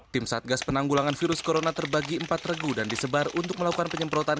tim satgas penanggulangan virus corona terbagi empat regu dan disebar untuk melakukan penyemprotan